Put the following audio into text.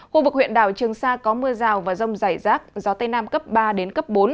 khu vực huyện đảo trường sa có mưa rào và rong dày rác gió tây nam cấp ba bốn